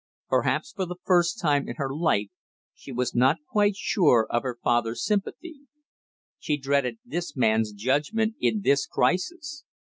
Perhaps for the first time in her life she was not quite sure of her father's sympathy. She dreaded his man's judgment in this crisis.